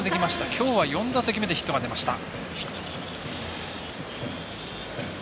きょうは４打席目でヒットが出ました。